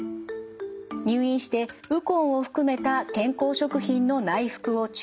入院してウコンを含めた健康食品の内服を中止。